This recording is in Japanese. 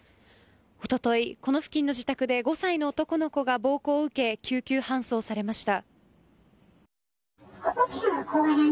一昨日、この付近の自宅で５歳の男の子が暴行を受け救急搬送されました。